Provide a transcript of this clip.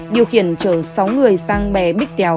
điều khiển chở sáu người sang bè bích tèo